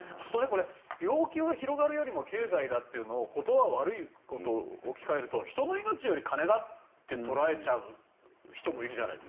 病気が広がるよりも経済だというのを言葉悪いことを置き換えると人の命より金だって捉えちゃう人もいるじゃない。